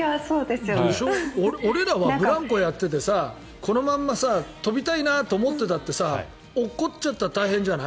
俺らはブランコやっててこのまま飛びたいなと思ってたって落ちちゃったら大変じゃない。